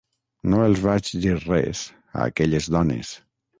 No els vaig dir res, a aquelles dones.